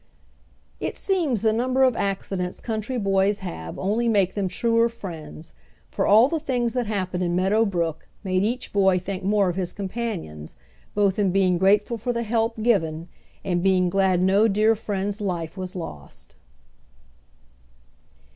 It seems the number of accidents country boys have only make them truer friends, for all the things that happened in Meadow Brook made each boy think more of his companions both in being grateful for the help given and being glad no dear friend's life was lost.